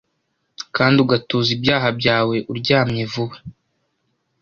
Kandi ugatuza ibyaha byawe uryamye vuba